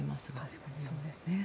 確かにそうですね。